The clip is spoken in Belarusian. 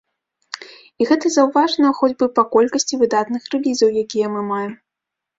І гэта заўважна хоць бы па колькасці выдатных рэлізаў, якія мы маем.